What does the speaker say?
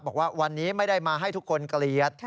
บอกว่าวันนี้ไม่ได้มาให้ทุกคนเกลียด